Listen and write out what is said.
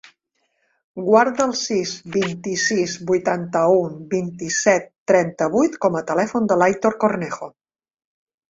Guarda el sis, vint-i-sis, vuitanta-u, vint-i-set, trenta-vuit com a telèfon de l'Aitor Cornejo.